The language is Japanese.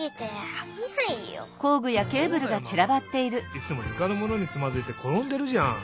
いつもゆかのものにつまずいてころんでるじゃん！